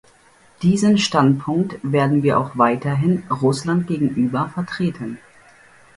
Diesen Standpunkt werden wir auch weiterhin Russland gegenüber vertreten.